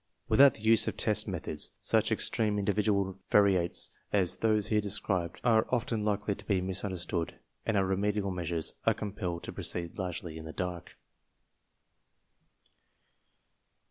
Without the use of test methods such extreme individual variates as those here described are often likely to be misunderstood and our remedial measures are compelled to proceed largely in the dark.